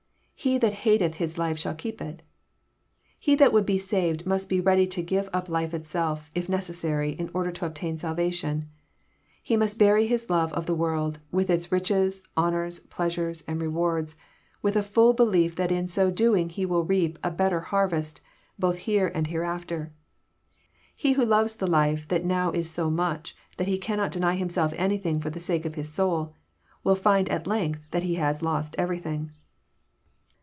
*' He that hateth his life shall keep it." He that would be saved must be ready to give up life itself, if necessary, in order to obtain salvation. He mast bury his love of the world, with its riches, honours, pleasures, and rewards, with a full belief that in so doing he will reap a better harvest, both here and hereafterT He who loves the life that now is so much that he cannot deny himself anything for the sake of his soul, will find at length that he has lost everything.